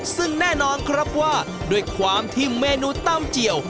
ซึ่งแน่นอนครับว่าด้วยความที่เมนูตำเจียว